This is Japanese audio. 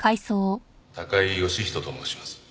高井義人と申します。